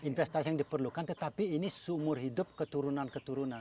investasi yang diperlukan tetapi ini sumur hidup keturunan keturunan